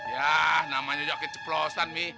yah namanya juga keceprosan mi